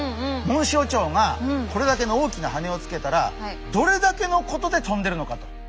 モンシロチョウがこれだけの大きなはねをつけたらどれだけのことで飛んでるのかと。